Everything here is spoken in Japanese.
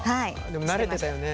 でも慣れてたよね。